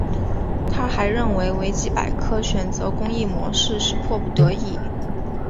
他还认为维基百科选择公益模式是迫不得已。